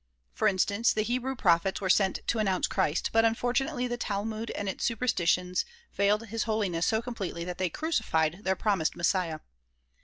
For instance, the Hebrew prophets were sent to announce Christ, but unfortunately the talmud and its superstitions veiled His Holiness so completely that they crucified their promised Messiah.